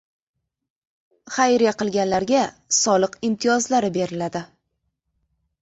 Xayriya qilganlarga soliq imtiyozlari beriladi